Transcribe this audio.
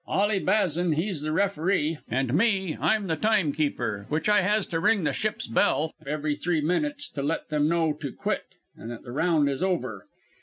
"Ally Bazan, he's referee, an' me, I'm the time keeper which I has to ring the ship's bell every three minutes to let 'em know to quit an' that the round is over.